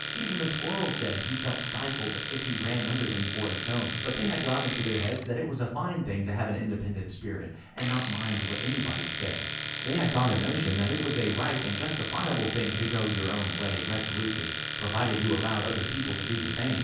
Even the squirrel said he felt stifled if he ran under them for a cone. But they had got into their heads that it was a fine thing to have an independent spirit, and not mind what anybody said; and they had got a notion that it was a right and justifiable thing to go your own way resolutely, provided you allowed other people to do the same.